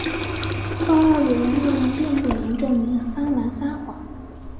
报道里的内容并不能证明桑兰撒谎。